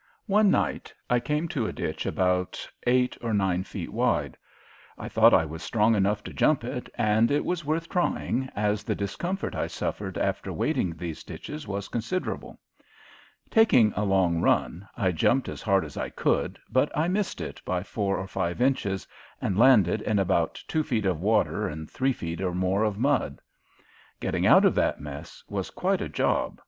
One night I came to a ditch about eight or nine feet wide. I thought I was strong enough to jump it, and it was worth trying, as the discomfort I suffered after wading these ditches was considerable. Taking a long run, I jumped as hard as I could, but I missed it by four or five inches and landed in about two feet of water and three feet more of mud. Getting out of that mess was quite a job.